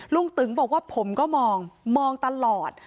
ตึงบอกว่าผมก็มองมองตลอด